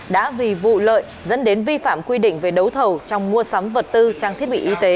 đã vì vụ lợi dẫn đến vi phạm quy định về đấu thầu trong mua sắm vật tư trang thiết bị y tế